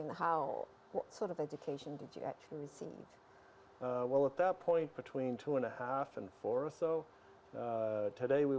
pada saat itu tidak banyak yang diketahui tentang otisme